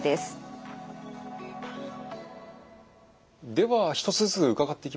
では一つずつ伺っていきましょう。